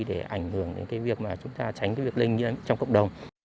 để ảnh hưởng đến việc chúng ta tránh việc linh nhiễm trong cộng đồng